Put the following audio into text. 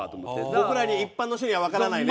僕らに一般の人にはわからないね。